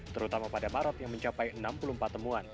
terutama pada maret yang mencapai enam puluh empat temuan